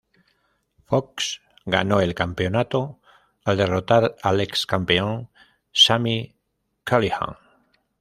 Fox ganó el campeonato al derrotar al ex-campeón Sami Callihan.